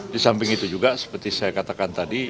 di samping itu juga seperti saya katakan tadi